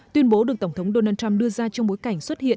tuyên bố được tổng thống donald trump đưa ra trong bối cảnh xuất hiện